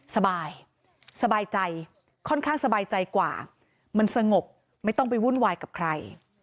สบายสบายใจค่อนข้างสบายใจกว่ามันสงบไม่ต้องไปวุ่นวายกับใคร